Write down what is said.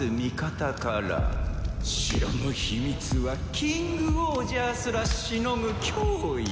城の秘密はキングオージャーすらしのぐ脅威。